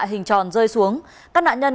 hình tròn rơi xuống các nạn nhân